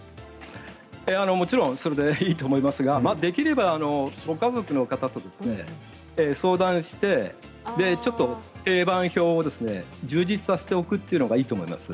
もちろんそれでいいと思いますが、できればご家族の方と相談してちょっと定番表を充実させておくというのがいいと思います。